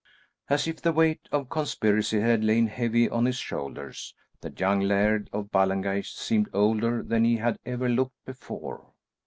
As if the weight of conspiracy had lain heavy on his shoulders, the young Laird of Ballengeich seemed older than he had ever looked before.